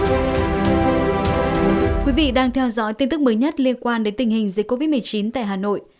thưa quý vị đang theo dõi tin tức mới nhất liên quan đến tình hình dịch covid một mươi chín tại hà nội